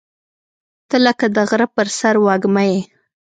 • ته لکه د غره پر سر وږمه یې.